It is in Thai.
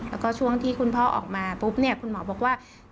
แล้วก็ช่วงที่คุณพ่อออกมาปุ๊บเนี่ยคุณหมอบอกว่า